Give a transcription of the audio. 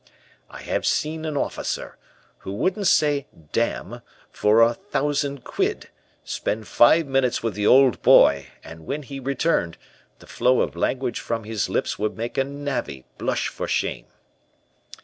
"I have seen an officer, who wouldn't say 'damn' for a thousand quid, spend five minutes with the old boy, and when he returned, the flow of language from his lips would make a navvy blush for shame.